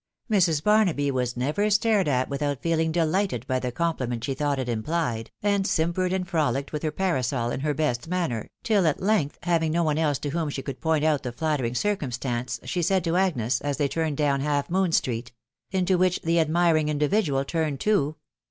Mrs. Barnaby was never stared at without feeling delighted by the compliment she thought it implied, and simpered and frolicked with her parasol in her best manner, till at length, having no one else to whom she could point out the nattering circumstance, she said to Agnes, as they turned down Half moon Street .... into which the admiring individual turned too